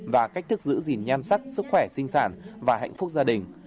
và cách thức giữ gìn nhan sắc sức khỏe sinh sản và hạnh phúc gia đình